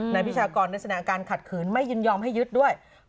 นายพิชากรในสถานการณ์ขัดขืนไม่ยืนยอมให้ยึดด้วย